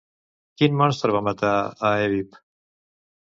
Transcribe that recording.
Quin monstre va matar a Evip?